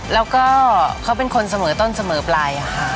แล้วก็เขาเป็นคนเสมอต้นเสมอปลายค่ะ